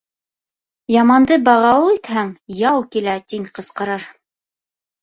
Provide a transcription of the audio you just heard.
Яманды бағауыл итһәң, «яу килә» тин ҡысҡырыр.